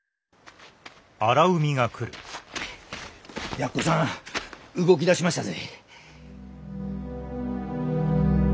やっこさん動きだしましたぜ。